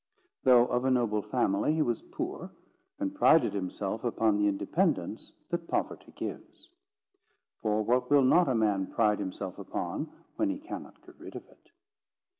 Though of a noble family, he was poor, and prided himself upon the independence that poverty gives; for what will not a man pride himself upon, when he cannot get rid of it?